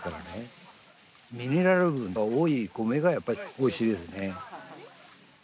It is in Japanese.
ミネラル分が多い米がやっぱりおいしいですね。